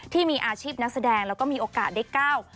ที่มีอาชีพนักแสดงแล้วก็มีโอกาสได้ก้าว